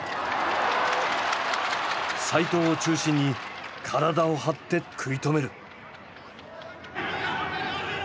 齋藤を中心に体を張って食い止める。